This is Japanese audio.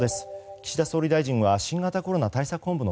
岸田総理大臣は新型コロナ対策本部の